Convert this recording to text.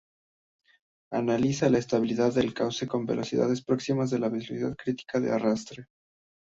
Analiza la estabilidad del cauce con velocidades próximas a la velocidad crítica de arrastre.